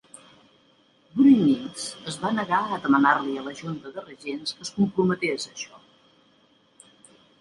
Bruininks es va negar a demanar-li a la junta de regents que es comprometés a això.